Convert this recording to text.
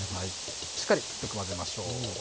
しっかりよく混ぜましょう。